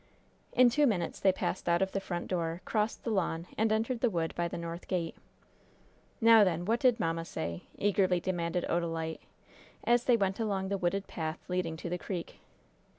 In two minutes they passed out of the front door, crossed the lawn, and entered the wood by the north gate. "Now, then, what did mamma say?" eagerly demanded Odalite, as they went along the wooded path leading to the creek.